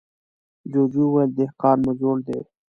جوجو وويل: دهقان مو زوړ دی.